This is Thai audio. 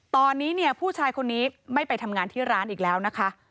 ตอนนี้เนี่ยผู้ชายคนนี้ไม่ไปทำงานที่ร้านอีกแล้วนะคะ